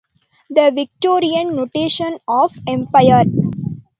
The Victorian notion of empire.